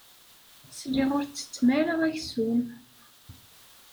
Sliɣ ur tettettem ara aksum.